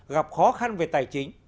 gặp khó khăn về tài chính